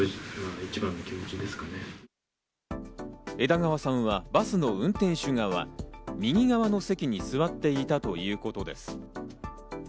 枝川さんはバスの運転手側、右側の席に座っていたということです。